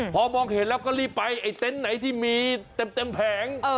พอมองเห็นแล้วก็รีบไปไอ้เต็นต์ไหนที่มีเต็มแผง